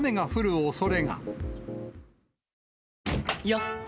よっ！